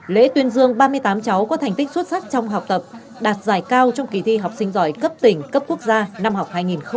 lễ tuyên dương ba mươi tám cháu có thành tích xuất sắc trong học tập đạt giải cao trong kỳ thi học sinh giỏi cấp tỉnh cấp quốc gia năm học hai nghìn hai mươi hai nghìn hai mươi